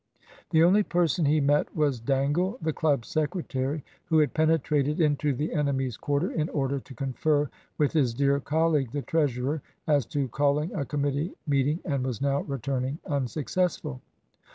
The only person he met was Dangle, the clubs' secretary, who had penetrated into the enemy's quarter in order to confer with his dear colleague the treasurer as to calling a committee meeting, and was now returning unsuccessful.